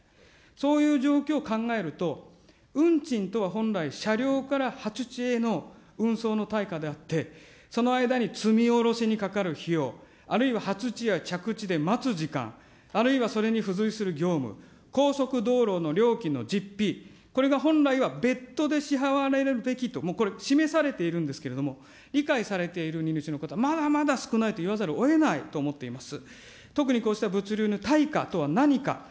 そういう状況を考えると、運賃とは本来、車両からの運送の対価であって、その間に積み下ろしにかかる費用、あるいは発地や着地で待つ時間、あるいはそれに付随する業務、高速道路の料金の実費、これが本来は別途で支払われるべきと、これ、示されているんですけれども、理解されている荷主の方、まだまだ少ないといわざるをえないと思っております。